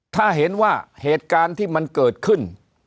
ถ้าเห็นว่าเหตุการณ์ที่มันเกิดขึ้น